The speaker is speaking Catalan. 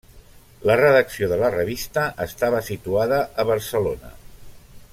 La redacció de la revista estava situada a Barcelona.